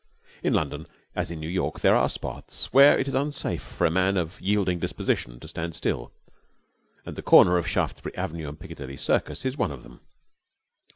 In London, as in New York, there are spots where it is unsafe for a man of yielding disposition to stand still, and the corner of Shaftesbury Avenue and Piccadilly Circus is one of them.